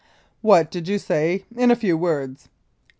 What did you say in a few words?